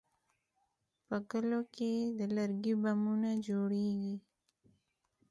په کلیو کې د لرګي بامونه جوړېږي.